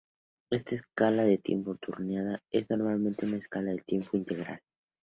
Esta escala de tiempo turbulenta es normalmente una escala de tiempo integral.